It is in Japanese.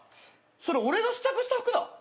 それ俺が試着した服だ。